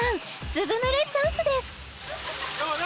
ズブ濡れチャンスです！